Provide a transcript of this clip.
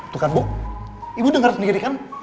tuh kan bu ibu dengar sendiri kan